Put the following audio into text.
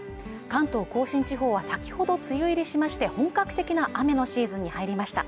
関東甲信地方は先ほど梅雨入りしまして本格的な雨のシーズンに入りました